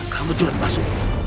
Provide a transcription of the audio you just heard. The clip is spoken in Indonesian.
kamu cepat masuk